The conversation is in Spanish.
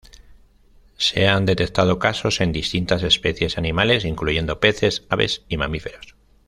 Se han detectado casos en distintas especies animales, incluyendo peces, aves y mamíferos.